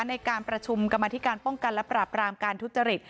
ในการประชุมกรรมธิการป้องกันและปราบรามการทุจริต